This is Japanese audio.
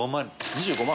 ２５万？